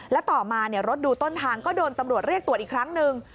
แล้วต่อมารถดูต้นทางก็โดนตำรวจเรียกตรวจอีกครั้งหนึ่ง